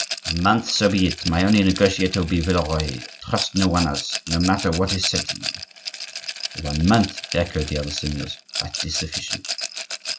"A month, so be it! My only negotiator will be Villeroy; trust no one else, no matter what is said to you." "One month," echoed the other seigneurs, "that is sufficient."